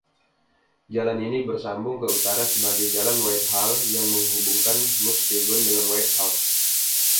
Jalan ini bersambung ke utara sebagai Jalan Whitehall, yang menghubungkan Muskegon dengan Whitehall.